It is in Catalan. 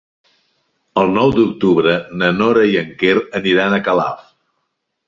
El nou d'octubre na Nora i en Quer aniran a Calaf.